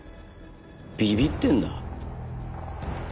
ビビってんだ。